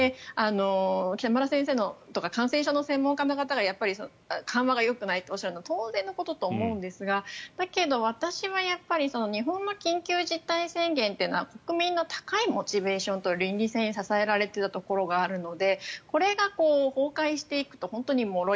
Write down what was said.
北村先生とか感染症の専門家の方が緩和がよくないとおっしゃるのは当然のことだと思うんですがだけど、私は日本の緊急事態宣言っていうのは国民の高いモチベーションと倫理性に支えられていたところがあるのでこれが崩壊していくと本当にもろい。